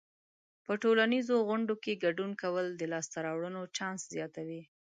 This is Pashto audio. په ټولنیزو غونډو کې ګډون کول د لاسته راوړنو چانس زیاتوي.